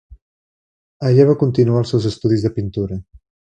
Allà va continuar els seus estudis de pintura.